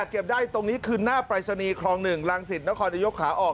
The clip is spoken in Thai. เก็บได้ตรงนี้คือหน้าปริศนีครอง๑ลังศิษย์แล้วคอยจะยกขาออก